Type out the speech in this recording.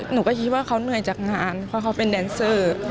หนูก็คิดว่าเขาเหนื่อยจากงานเพราะเขาเป็นแดนเซอร์